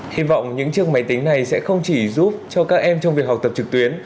hy vọng những chiếc máy tính này sẽ không chỉ giúp cho các em trong việc học tập trực tuyến